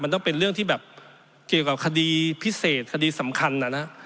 มันต้องเป็นเรื่องที่แบบเกี่ยวกับคดีพิเศษคดีสำคัญนะนะ